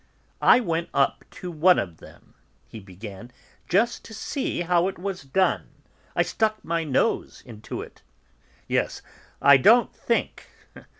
"I went up to one of them," he began, "just to see how it was done; I stuck my nose into it. Yes, I don't think!